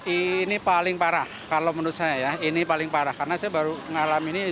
ini paling parah kalau menurut saya ya ini paling parah karena saya baru mengalami ini